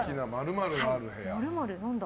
何だ。